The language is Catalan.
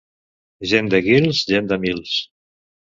Gent de Guils, gent de mils.